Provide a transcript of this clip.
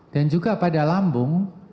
dan juga pada lambung